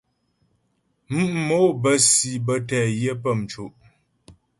Mǔ' mò bə́ si bə́ tɛ yə pə́ mco'.